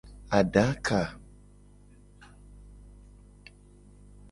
Adaka.